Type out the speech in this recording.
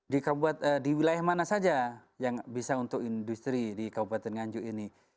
di wilayah mana saja yang bisa untuk industri di kabupaten ganjuk ini